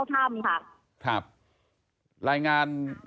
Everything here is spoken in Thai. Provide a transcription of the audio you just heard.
ก็อยู่ตรงข้ามกับทุกด้านทางเข้าถ้ำค่ะ